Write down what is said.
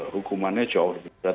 hukumannya jauh lebih berat